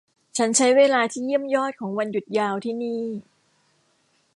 ฉันใช้เวลาที่เยี่ยมยอดของวันหยุดยาวที่นี่